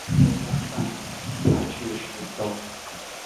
都押上台去示眾